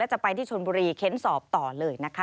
จะไปที่ชนบุรีเค้นสอบต่อเลยนะคะ